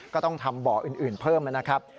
ก็ต้องทำบ่ออื่นเพิ่มนะครับ